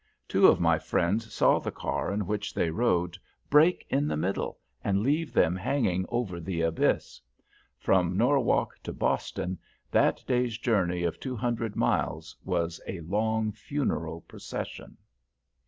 Two of my friends saw the car in which they rode break in the middle and leave them hanging over the abyss. From Norwalk to Boston, that day's journey of two hundred miles was a long funeral procession.